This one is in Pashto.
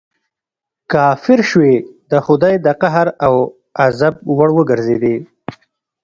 کافر شوې د خدای د قهر او غضب وړ وګرځېدې.